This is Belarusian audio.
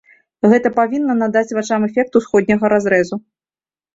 Гэта павінна надаць вачам эфект усходняга разрэзу.